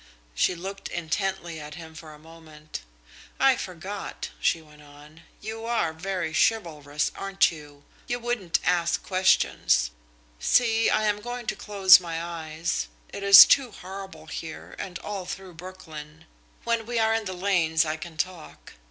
She looked intently at him for a moment. "I forgot," she went on. "You are very chivalrous, aren't you? You wouldn't ask questions.... See, I am going to close my eyes. It is too horrible here, and all through Brooklyn. When we are in the lanes I can talk.